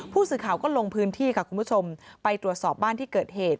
ผู้สื่อข่าวก็ลงพื้นที่ค่ะคุณผู้ชมไปตรวจสอบบ้านที่เกิดเหตุ